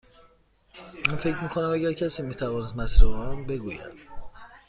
من فکر می کنم اگر کسی می توانست مسیر را به من بگوید.